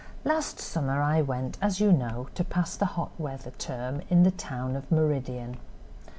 "Last summer I went, as you know, to pass the hot weather term in the town of Meridian.